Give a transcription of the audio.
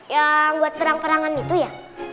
yang buat perang perangan itu ya